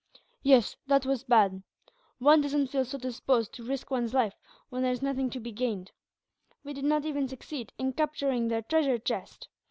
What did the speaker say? "Yes, that was bad. One doesn't feel so disposed to risk one's life, when there is nothing to be gained. We did not even succeed in capturing their treasure chest.